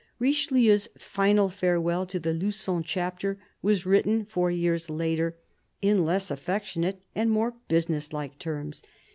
Richelieu's final farewell to the Lugon Chapter was written four years later, in less affectionate and more businesslike terms.